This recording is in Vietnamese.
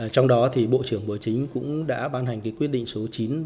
trong đó bộ trưởng bộ chính cũng đã ban hành quyết định số chín trăm ba mươi bảy